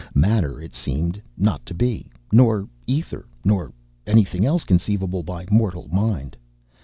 Matter it seemed not to be, nor ether, nor anything else conceivable by mortal mind.